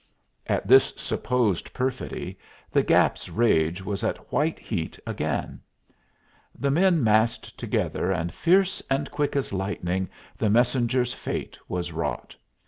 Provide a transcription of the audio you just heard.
At this supposed perfidy the Gap's rage was at white heat again; the men massed together, and fierce and quick as lightning the messenger's fate was wrought.